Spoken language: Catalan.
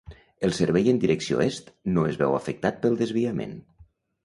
El servei en direcció est no es veu afectat pel desviament.